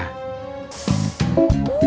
kita kasih tau aja